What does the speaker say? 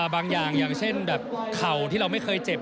บางอย่างอย่างเช่นแบบเข่าที่เราไม่เคยเจ็บ